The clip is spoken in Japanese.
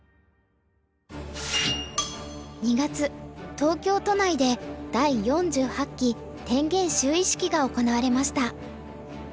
２月東京都内で第４８期天元就位式が行われました。